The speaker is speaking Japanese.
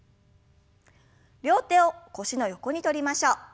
両手を腰の横にとりましょう。